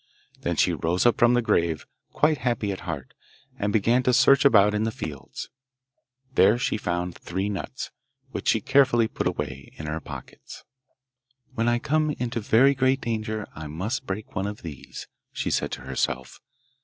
Then she rose up from the grave, quite happy at heart, and began to search about in the fields. There she found three nuts, which she carefully put away in her pocket. 'When I come into very great danger I must break one of these,' she said to herself.